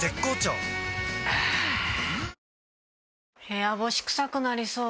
あぁ部屋干しクサくなりそう。